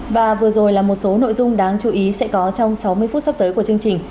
và vừa rồi là một số nội dung đáng chú ý sẽ có trong sáu mươi phút sắp tới của chương trình